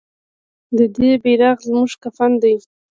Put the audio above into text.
د دې بیرغ زموږ کفن دی